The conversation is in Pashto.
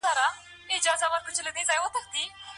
د مدیریت په پوهنتونونو کې تدریس شي.